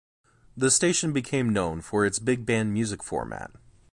The station became known for its Big Band music format.